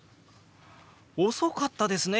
遅かったですね。